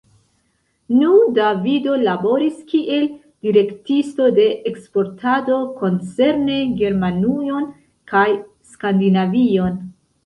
Nu, Davido laboris kiel direktisto de eksportado koncerne Germanujon kaj Skandinavion.